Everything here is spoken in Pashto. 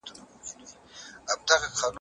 دا باغ د یو مخلص انسان لخوا جوړ شوی دی.